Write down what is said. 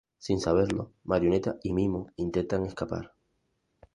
Sin saberlo, Marioneta y Mimo intentan escapar.